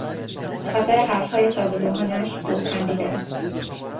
به خاطر حرفهای ساده لوحانهاش به او خندیدند.